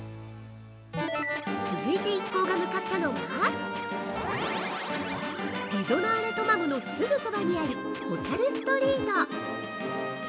◆続いて、一行が向かったのはリゾナーレトマムのすぐそばにある「ホタルストリート」。